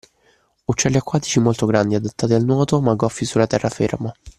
Uccelli acquatici molto grandi, adattati al nuoto, ma goffi sulla terraferma.